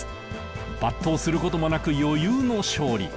抜刀することもなく余裕の勝利。